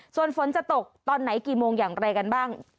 ส่วนฝนจะตกตอนไหนกี่โมงอย่างไรกันบ้าง